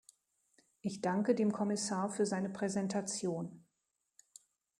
Ich danke dem Kommissar für seine Präsentation.